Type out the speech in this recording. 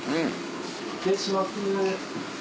失礼します